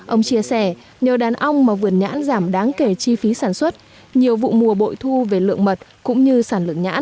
ông chia sẻ nhờ đàn ông mà vườn nhãn giảm đáng kể chi phí sản xuất nhiều vụ mùa bội thu về lượng mật cũng như sản lượng nhãn